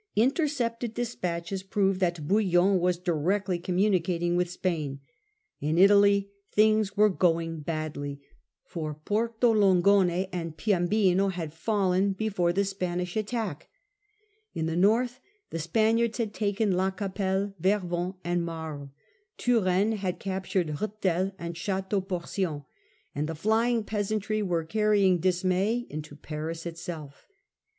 Intercepted despatches proved that Bouillon was directly communicating with Spain. In Italy things were going badly, for Porto Longone and Piombino had fallen before the Spanish attack. In the north the Spaniards Progress had ta ^ en La Capelle, Vervins, and Marie; Spaniards Turenne had captured Rethel and Chateau and* Porcien, and the flying peasantry were carry agltadoVin * n S dismay into Paris itself.